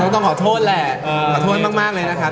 ต้องขอโทษแหละขอโทษมากเลยนะครับ